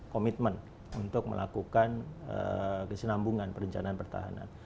komitmen untuk melakukan kesinambungan perencanaan pertahanan